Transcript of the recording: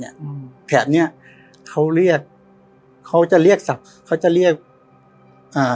เนี้ยแผดเนี้ยเขาเรียกเขาจะเรียกสับเขาจะเรียกอ่า